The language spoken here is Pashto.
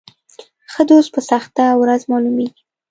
ښه دوست په سخته ورځ معلومیږي.